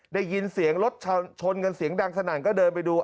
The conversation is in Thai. ได้ยินเสียงรถชนกันเสียงดังสนั่นก็เดินไปดู